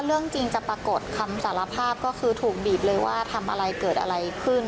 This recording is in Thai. เรื่องจริงจะปรากฏคำสารภาพก็คือถูกบีบเลยว่าทำอะไรเกิดอะไรขึ้น